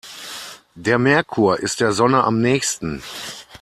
Der Merkur ist der Sonne am nähesten.